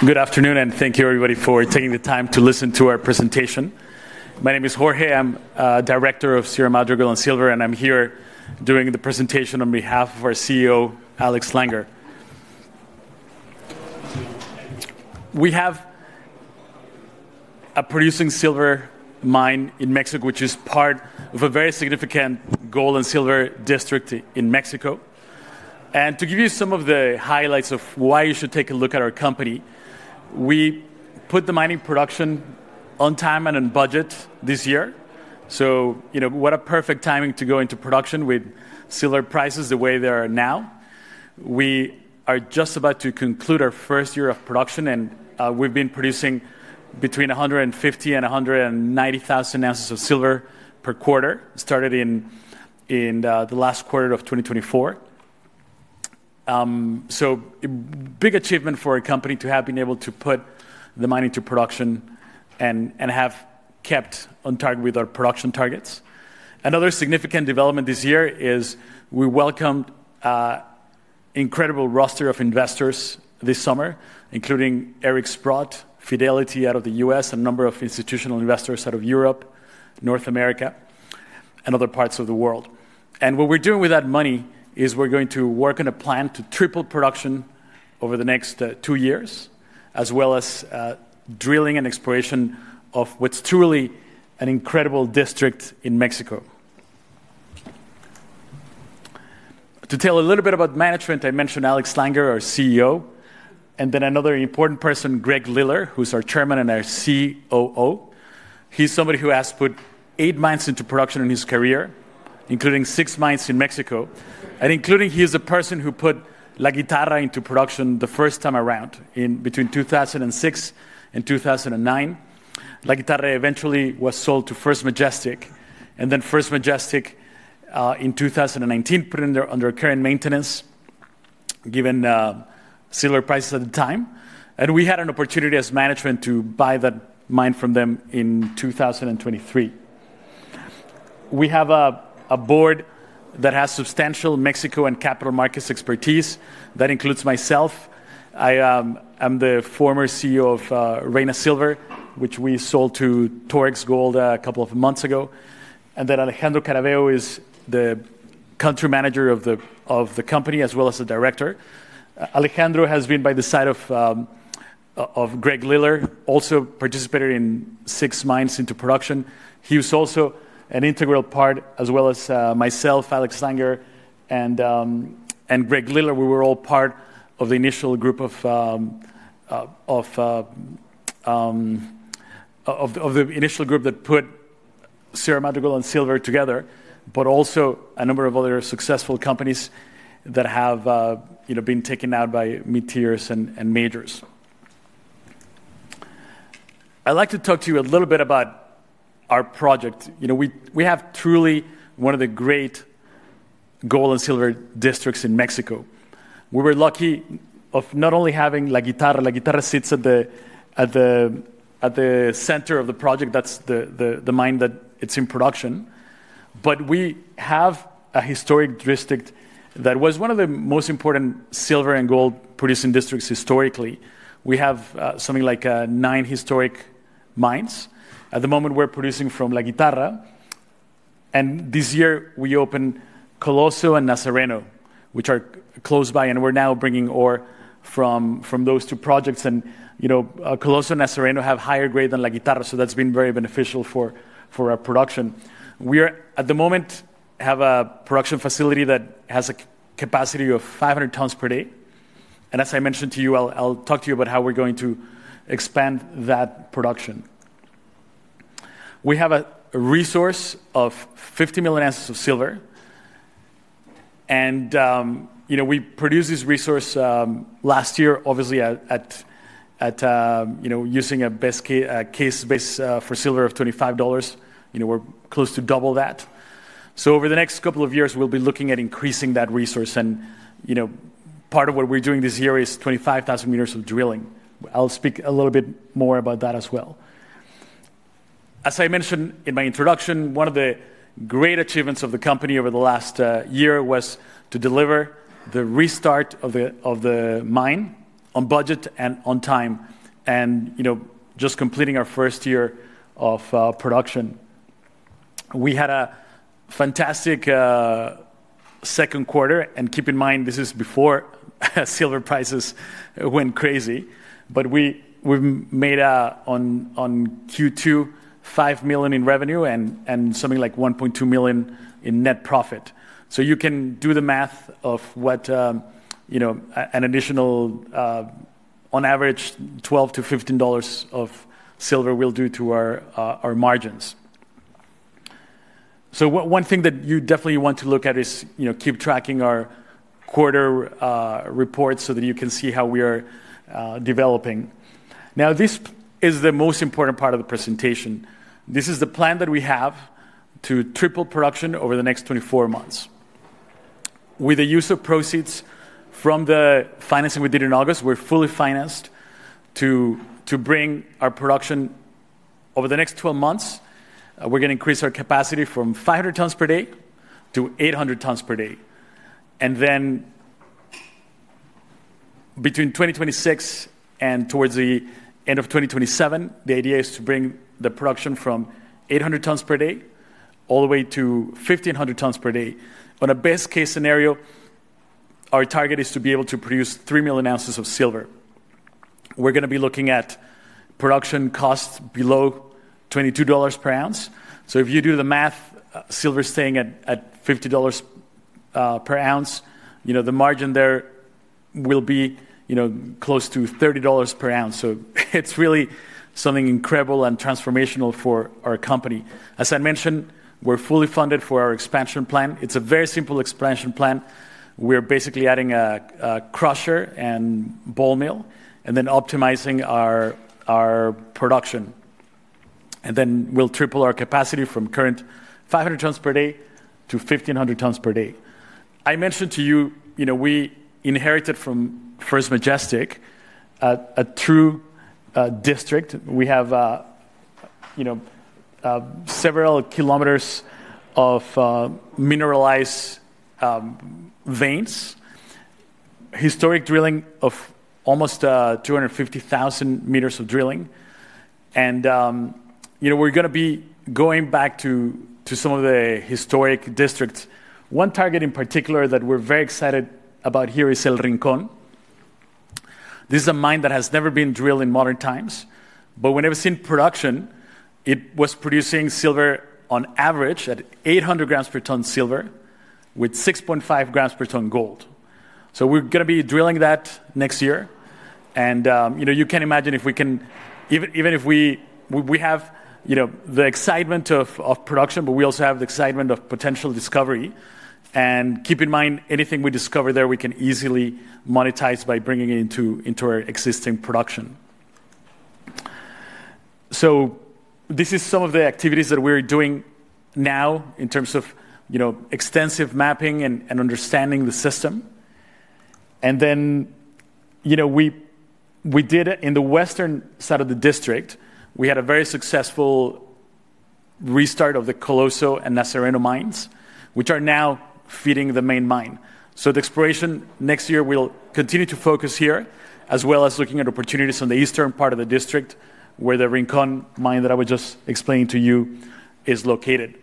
Good afternoon, and thank you, everybody, for taking the time to listen to our presentation. My name is Jorge. I'm a director of Sierra Madre Gold and Silver, and I'm here doing the presentation on behalf of our CEO, Alex Langer. We have a producing silver mine in Mexico, which is part of a very significant gold and silver district in Mexico. To give you some of the highlights of why you should take a look at our company, we put the mining production on time and on budget this year. You know, what a perfect timing to go into production with silver prices the way they are now. We are just about to conclude our first year of production, and we've been producing between 150,000 oz and 190,000 oz of silver per quarter, started in the last quarter of 2024. A big achievement for a company to have been able to put the mine into production and have kept on target with our production targets. Another significant development this year is we welcomed an incredible roster of investors this summer, including Eric Sprott, Fidelity out of the U.S., and a number of institutional investors out of Europe, North America, and other parts of the world. What we are doing with that money is we are going to work on a plan to triple production over the next two years, as well as drilling and exploration of what is truly an incredible district in Mexico. To tell a little bit about management, I mentioned Alex Langer, our CEO, and then another important person, Greg Liller, who is our Chairman and our COO. He's somebody who has put eight mines into production in his career, including six mines in Mexico, and including he is the person who put La Guitarra into production the first time around between 2006 and 2009. La Guitarra eventually was sold to First Majestic, and First Majestic in 2019 put it under current maintenance, given similar prices at the time. We had an opportunity as management to buy that mine from them in 2023. We have a board that has substantial Mexico and capital markets expertise that includes myself. I am the former CEO of Reina Silver, which we sold to Torex Gold a couple of months ago. Alejandro Caraveo is the country manager of the company, as well as the director. Alejandro has been by the side of Greg Liller, also participated in six mines into production. He was also an integral part, as well as myself, Alex Langer, and Greg Liller. We were all part of the initial group that put Sierra Madre Gold and Silver together, but also a number of other successful companies that have been taken out by mid-tiers and majors. I'd like to talk to you a little bit about our project. You know, we have truly one of the great gold and silver districts in Mexico. We were lucky of not only having La Guitarra. La Guitarra sits at the center of the project. That's the mine that is in production. We have a historic district that was one of the most important silver and gold producing districts historically. We have something like nine historic mines. At the moment, we're producing from La Guitarra. This year, we opened Coloso and Nazareno, which are close by, and we're now bringing ore from those two projects. You know, Coloso and Nazareno have higher grade than La Guitarra, so that's been very beneficial for our production. We at the moment have a production facility that has a capacity of 500 tons per day. As I mentioned to you, I'll talk to you about how we're going to expand that production. We have a resource of 50 million oz of silver. You know, we produced this resource last year, obviously at, you know, using a case base for silver of $25. You know, we're close to double that. Over the next couple of years, we'll be looking at increasing that resource. You know, part of what we're doing this year is 25,000 meters of drilling. I'll speak a little bit more about that as well. As I mentioned in my introduction, one of the great achievements of the company over the last year was to deliver the restart of the mine on budget and on time. You know, just completing our first year of production. We had a fantastic second quarter. Keep in mind, this is before silver prices went crazy, but we made in Q2, $5 million in revenue and something like $1.2 million in net profit. You can do the math of what, you know, an additional, on average, $12-$15 of silver will do to our margins. One thing that you definitely want to look at is, you know, keep tracking our quarter reports so that you can see how we are developing. Now, this is the most important part of the presentation. This is the plan that we have to triple production over the next 24 months. With the use of proceeds from the financing we did in August, we're fully financed to bring our production over the next 12 months. We're going to increase our capacity from 500 t/d to 800 t/d. Then between 2026 and towards the end of 2027, the idea is to bring the production from 800 t/d all the way to 1,500 t/d. On a best-case scenario, our target is to be able to produce 3 million oz of silver. We're going to be looking at production costs below $22 per oz. If you do the math, silver staying at $50 per oz, you know, the margin there will be, you know, close to $30 per oz. It is really something incredible and transformational for our company. As I mentioned, we're fully funded for our expansion plan. It's a very simple expansion plan. We're basically adding a crusher and ball mill and then optimizing our production. We will triple our capacity from current 500 t/d to 1,500 t/d. I mentioned to you, you know, we inherited from First Majestic a true district. We have, you know, several kilometers of mineralized veins, historic drilling of almost 250,000 meters of drilling. You know, we're going to be going back to some of the historic districts. One target in particular that we're very excited about here is El Rincón. This is a mine that has never been drilled in modern times. When it was in production, it was producing silver on average at 800 grams per ton silver with 6.5 g per ton gold. We're going to be drilling that next year. You know, you can imagine if we can, even if we have, you know, the excitement of production, but we also have the excitement of potential discovery. Keep in mind, anything we discover there, we can easily monetize by bringing it into our existing production. This is some of the activities that we're doing now in terms of, you know, extensive mapping and understanding the system. You know, we did it in the western side of the district. We had a very successful restart of the Coloso and Nazareno mines, which are now feeding the main mine. The exploration next year will continue to focus here, as well as looking at opportunities on the eastern part of the district, where the El Rincón mine that I was just explaining to you is located.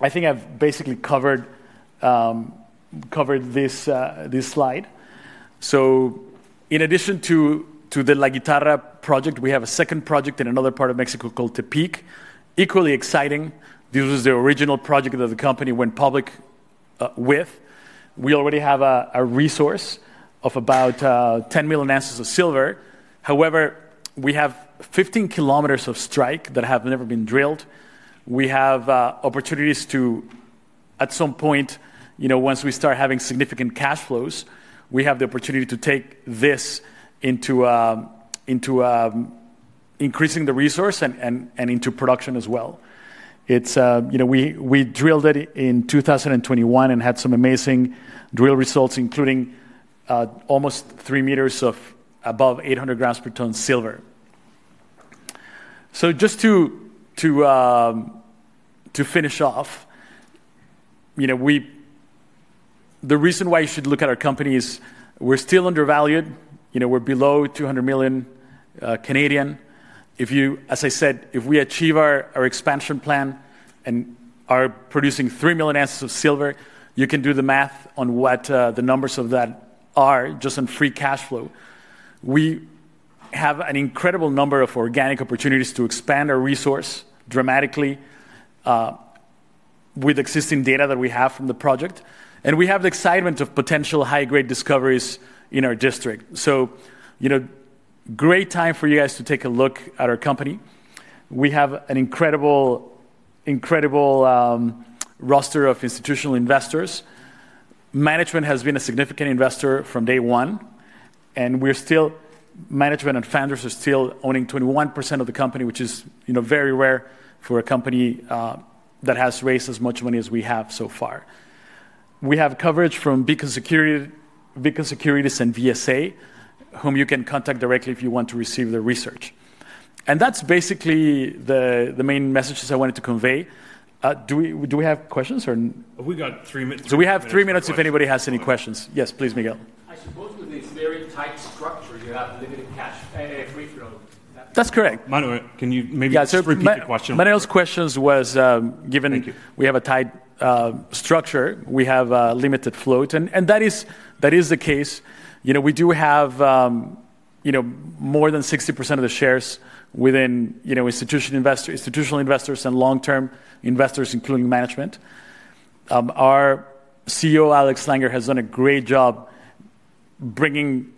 I think I've basically covered this slide. In addition to the La Guitarra project, we have a second project in another part of Mexico called Tepic. Equally exciting, this was the original project that the company went public with. We already have a resource of about 10 million oz of silver. However, we have 15 km of strike that have never been drilled. We have opportunities to, at some point, you know, once we start having significant cash flows, we have the opportunity to take this into increasing the resource and into production as well. It's, you know, we drilled it in 2021 and had some amazing drill results, including almost 3 meters of above 800 g per ton silver. Just to finish off, you know, the reason why you should look at our company is we're still undervalued. You know, we're below 200 million. If you, as I said, if we achieve our expansion plan and are producing 3 million oz of silver, you can do the math on what the numbers of that are just on free cash flow. We have an incredible number of organic opportunities to expand our resource dramatically with existing data that we have from the project. And we have the excitement of potential high-grade discoveries in our district. You know, great time for you guys to take a look at our company. We have an incredible, incredible roster of institutional investors. Management has been a significant investor from day one, and we're still, management and founders are still owning 21% of the company, which is, you know, very rare for a company that has raised as much money as we have so far. We have coverage from Beacon Securities and VSA, whom you can contact directly if you want to receive their research. That is basically the main messages I wanted to convey. Do we have questions or? We got three minutes. We have three minutes if anybody has any questions. Yes, please, Miguel. I suppose with this very tight structure, you have limited cash free flow. That is correct. Manuel, can you maybe just repeat the question? Manuel's question was given we have a tight structure, we have limited float, and that is the case. You know, we do have, you know, more than 60% of the shares within, you know, institutional investors and long-term investors, including management. Our CEO, Alex Langer, has done a great job bringing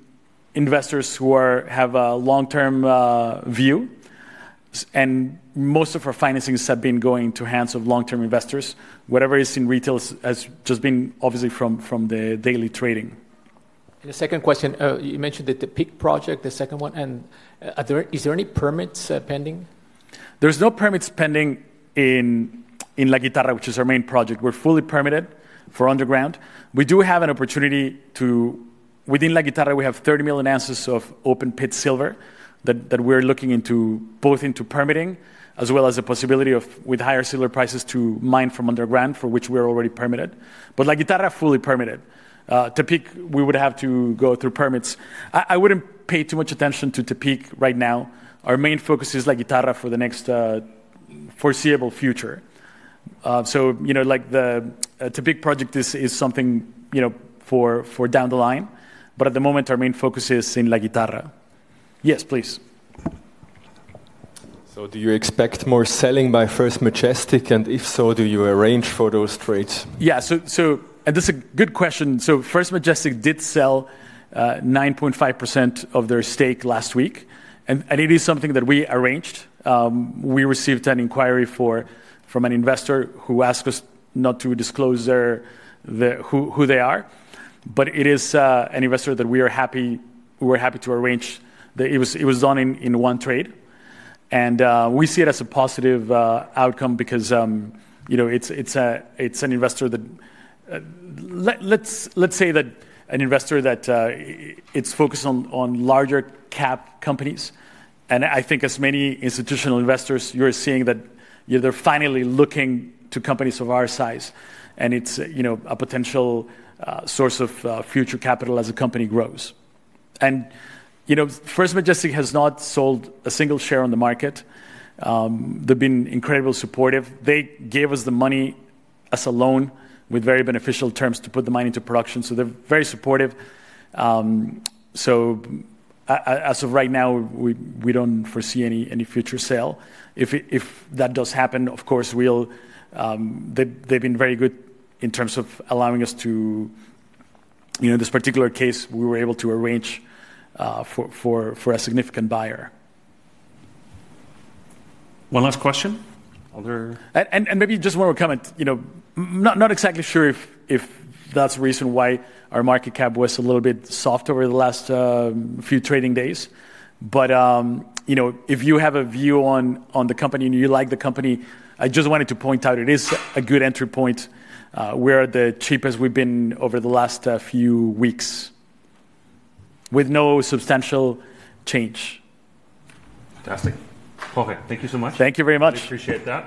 investors who have a long-term view. Most of our financings have been going into hands of long-term investors. Whatever is in retail has just been obviously from the daily trading. The second question, you mentioned the Tepic project, the second one. Is there any permits pending? There are no permits pending in La Guitarra, which is our main project. We are fully permitted for underground. We do have an opportunity to, within La Guitarra, we have 30 million oz of open pit silver that we are looking into both into permitting, as well as the possibility of, with higher silver prices, to mine from underground, for which we are already permitted. La Guitarra is fully permitted. Tepic, we would have to go through permits. I would not pay too much attention to Tepic right now. Our main focus is La Guitarra for the next foreseeable future. You know, like the Tepic project is something, you know, for down the line. At the moment, our main focus is in La Guitarra. Yes, please. Do you expect more selling by First Majestic? If so, do you arrange for those trades? Yeah, this is a good question. First Majestic did sell 9.5% of their stake last week, and it is something that we arranged. We received an inquiry from an investor who asked us not to disclose who they are, but it is an investor that we are happy to arrange. It was done in one trade. We see it as a positive outcome because, you know, it is an investor that, let's say, is focused on larger cap companies. I think as many institutional investors, you are seeing that they are finally looking to companies of our size, and it is a potential source of future capital as the company grows. First Majestic has not sold a single share on the market. They've been incredibly supportive. They gave us the money as a loan with very beneficial terms to put the money into production. They're very supportive. As of right now, we do not foresee any future sale. If that does happen, of course, they've been very good in terms of allowing us to, you know, in this particular case, we were able to arrange for a significant buyer. One last question. Other? Maybe just one more comment. Not exactly sure if that's the reason why our market cap was a little bit soft over the last few trading days. If you have a view on the company and you like the company, I just wanted to point out it is a good entry point. We are the cheapest we've been over the last few weeks with no substantial change. Fantastic. Perfect. Thank you so much. Thank you very much. We appreciate that.